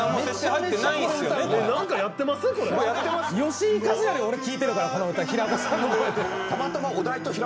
吉井和哉より俺聴いてるからこの歌平子さんの声で。